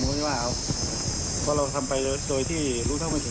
รู้ถึงทรงการดูกล่อกอภัย